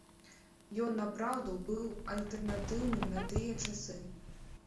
Ён напраўду быў альтэрнатыўным на тыя часы.